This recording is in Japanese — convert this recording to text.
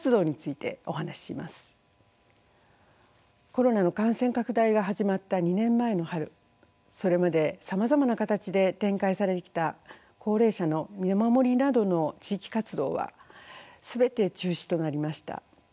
コロナの感染拡大が始まった２年前の春それまでさまざまな形で展開されてきた高齢者の見守りなどの地域活動は全て中止となりました。